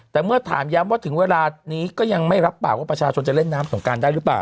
แต่เมื่อถามย้ำว่าถึงเวลานี้ก็ยังไม่รับปากว่าประชาชนจะเล่นน้ำสงการได้หรือเปล่า